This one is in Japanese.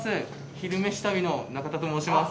「昼めし旅」の中田と申します。